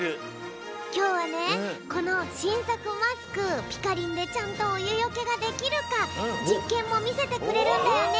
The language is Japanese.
きょうはねこのしんさくマスクピカリンでちゃんとおゆよけができるかじっけんもみせてくれるんだよね。